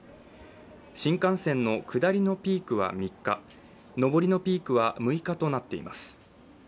新幹線の下りのピークは３日上りのピークは６日となっています。